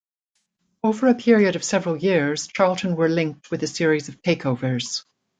Over a period of several years Charlton were linked with a series of takeovers.